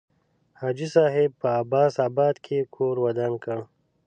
حاجي صاحب په عباس آباد کې کور ودان کړ.